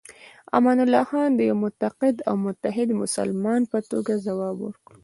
امان الله خان د یوه معتقد او متعهد مسلمان په توګه ځواب ورکړ.